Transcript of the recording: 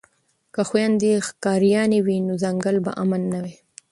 که خویندې ښکاریانې وي نو ځنګل به امن نه وي.